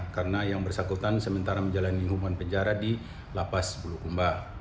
karena yang bersangkutan sementara menjalani hukuman penjara di lapas bulukumba